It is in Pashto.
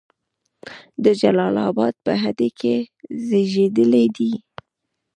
د جلال آباد په هډې کې زیږیدلی دی.